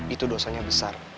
itu dosanya besar